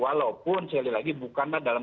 walaupun sekali lagi bukanlah dalam